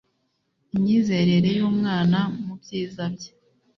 Imyizerere yumwana mubyiza bye